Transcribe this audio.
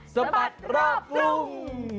สปัดรอบกลุ่ม